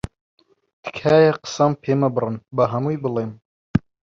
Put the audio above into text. تکایە قسەم پێ مەبڕن، با هەمووی بڵێم.